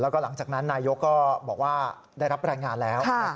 แล้วก็หลังจากนั้นนายกก็บอกว่าได้รับรายงานแล้ว